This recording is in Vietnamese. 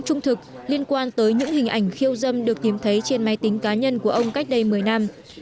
điều này cũng trung thực liên quan tới những hình ảnh khiêu dâm được tìm thấy trên máy tính cá nhân của ông cách đây một mươi năm